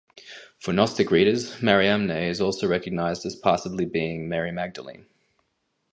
For Gnostic readers Mariamne is also recognized as passably being Mary Magdalene.